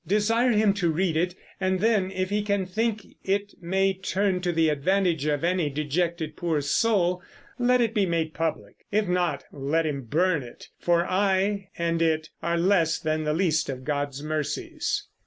Desire him to read it; and then, if he can think it may turn to the advantage of any dejected poor soul, let it be made public; if not, let him burn it, for I and it are less than the least of God's mercies.